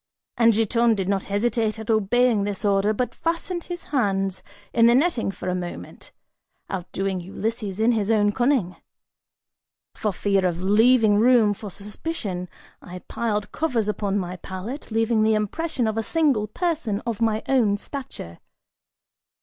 And Giton did not hesitate at obeying this order, but fastened his hands in the netting for a moment, outdoing Ulysses in his own cunning! For fear of leaving room for suspicion, I piled covers upon my pallet, leaving the impression of a single person of my own stature.